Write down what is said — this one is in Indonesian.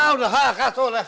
udah kacau deh